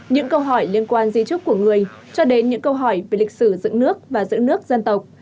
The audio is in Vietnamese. những câu hỏi liên quan di trúc của người cho đến những câu hỏi về lịch sử dựng nước và giữ nước dân tộc